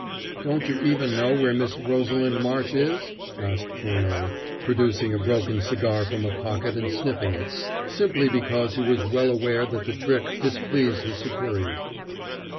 "Don't you even know where Miss Rosalind Marsh is?" asked Furneaux, producing a broken cigar from a pocket and sniffing it, simply because he was well aware that the trick displeased his superior.